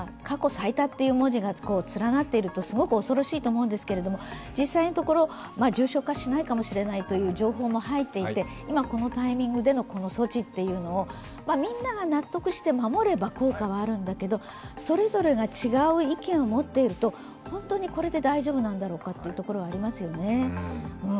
過去最多という文字が連なっていると、すごく恐ろしいと思うんですけれども、実際のところ、重症化しないかもしれないという情報も入っていて今このタイミングでのこの措置というのをみんなが納得して守れば効果はあるんだけどそれぞれが違う意見を持っていると、本当にこれで大丈夫なんだろうかというところはありますよね。